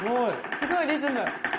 すごいリズム。